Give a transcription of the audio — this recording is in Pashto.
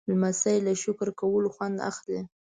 لمسی له شکر کولو خوند اخلي.